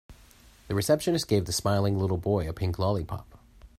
The receptionist gave the smiling little boy a pink lollipop.